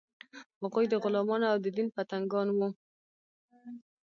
هغوی د غلمانو او د دین پتنګان وو.